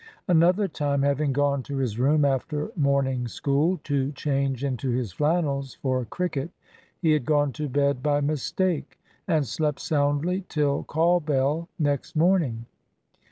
Another time, having gone to his room after morning school to change into his flannels for cricket, he had gone to bed by mistake, and slept soundly till call bell next morning.